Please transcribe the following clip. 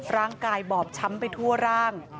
ร่างกายบอบช้ำไปทั่วร่าง